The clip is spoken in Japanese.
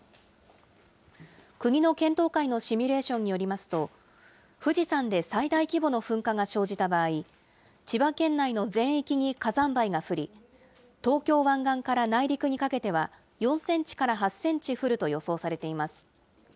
国の検討会のシミュレーションによりますと、富士山で最大規模の噴火が生じた場合、千葉県内の全域に火山灰が降り、東京湾岸から内陸にかけては４センチから８センチ降ると予想されています。